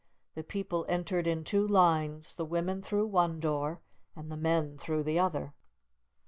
The people entered in two lines, the women through one door, and the men through the other.